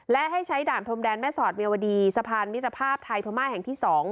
และให้ใช้ด่านพรมแดนแม่สอดเมียวดีสะพานมิตรภาพไทยพม่าแห่งที่๒